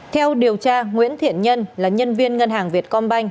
theo điều tra nguyễn thiện nhân là nhân viên ngân hàng việt combank